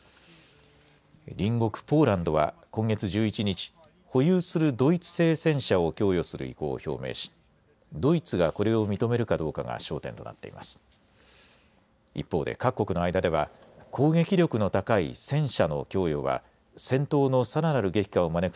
隣国ポーランドは今月１１日、保有するドイツ製戦車を供与する意向を表明しドイツがこれを認めるかどうかが焦点となっています。